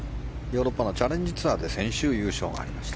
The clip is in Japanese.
ただヨーロッパのチャレンジツアーで先週、優勝がありました。